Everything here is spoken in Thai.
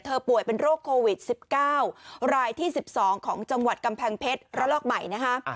เธอป่วยเป็นโรคโควิดสิบเก้ารายที่สิบสองของจังหวัดกำแพงเพชรระลอกใหม่นะฮะ